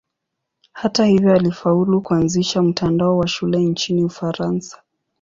Hata hivyo alifaulu kuanzisha mtandao wa shule nchini Ufaransa.